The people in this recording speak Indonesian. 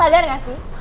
dan lo sadar gak sih